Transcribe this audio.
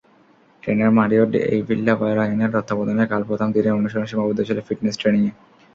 Trainer Mario ভিল্লাভারায়নের তত্ত্বাবধানে কাল প্রথম দিনের অনুশীলন সীমাবদ্ধ ছিল ফিটনেস ট্রেনিংয়ে।